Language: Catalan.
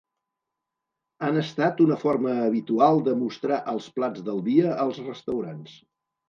Han estat una forma habitual de mostrar els plats del dia als restaurants.